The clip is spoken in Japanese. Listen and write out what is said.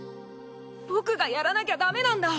僕がやらなきゃダメなんだ！